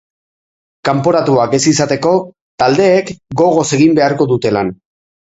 Kanporatuak ez izateko taldeek gogoz egin beharko dute lan.